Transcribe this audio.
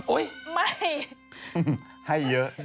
โอ๊ยไม่ให้เยอะ